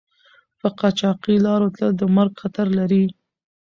په قاچاقي لارو تل د مرګ خطر لری